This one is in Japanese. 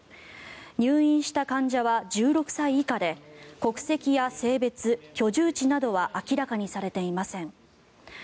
入院した患者は１６歳以下で国籍や性別、居住地などは明らかにされていません。